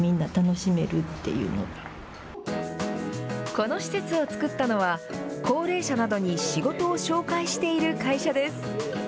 この施設を作ったのは、高齢者などに仕事を紹介している会社です。